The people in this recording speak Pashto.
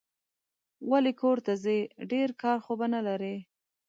ولي کورته ځې ؟ ډېر کار خو به نه لرې